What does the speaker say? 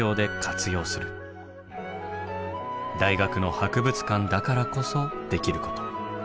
大学の博物館だからこそできること。